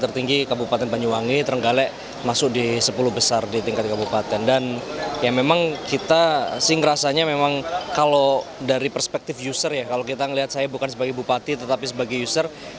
tertinggi kabupaten banyuwangi memang kalau dari perspektif user ya kalau kita melihat saya bukan sebagai bupati tetapi sebagai user